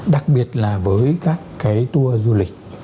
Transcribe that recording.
đặc biệt là với các cái tour du lịch